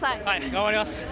頑張ります。